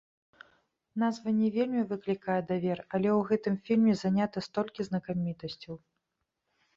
Назва не вельмі выклікае давер, але ў гэтым фільме занята столькі знакамітасцяў!